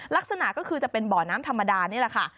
ลักษณะก็คือจะเป็นบ่อน้ำธรรมดานี่แหละค่ะ